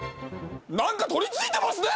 何か取りついてますね。